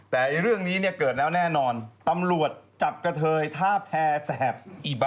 แต่เรื่องนี้เนี่ยเกิดแล้วแน่นอนตำรวจจับกระเทยท่าแพรแสบอีบะ